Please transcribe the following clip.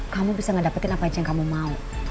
kamu bisa ngedapetin apa aja yang kamu mau